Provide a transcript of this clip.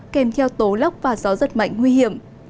kèm theo tố lốc và gió rất mạnh nguy hiểm